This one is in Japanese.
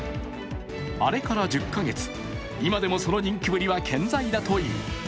あれから１０か月、今でもその人気ぶりは健在だという。